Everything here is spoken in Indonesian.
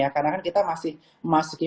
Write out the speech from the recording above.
karena kita masih masukin